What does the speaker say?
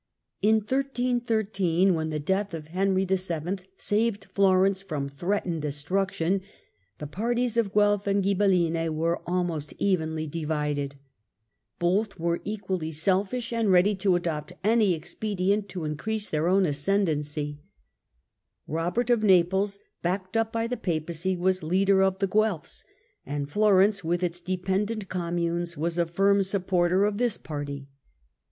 In 1313, when the death of Henry VII. saved Flor Parties of "^. Giielt and ence from threatened destruction, the parties of Guelt Giubeiiine and GhibeUine were almost evenly divided ; both were "eciX cen equally selfish, and ready to adopt any expedient to in ^'^""^ crease their own ascendency. Eobert of Naples backed up by the Papacy was leader of the Guelfs. and Florence with its dependent communes was a firm supporter of this party.